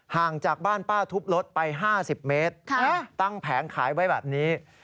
ห่างจากบ้านป้าทุบรถไป๕๐เมตรตั้งแผงขายไว้แบบนี้